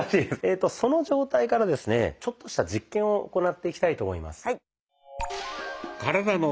その状態からですねちょっとした実験を行っていきたいと思います。